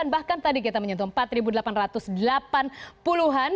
bahkan tadi kita menyentuh empat delapan ratus delapan puluh an